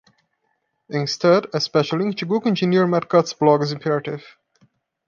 Instead, a special link to Google engineer Matt Cutts' blog is imperative.